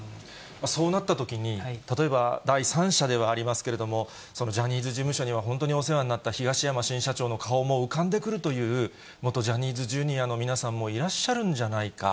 そうなったときに、例えば第三者ではありますけれども、そのジャニーズ事務所には本当にお世話になった東山新社長の顔も浮かんでくるという、元ジャニーズＪｒ．の皆さんもいらっしゃるんじゃないか。